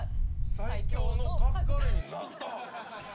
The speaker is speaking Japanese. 最強のカツカレーになった！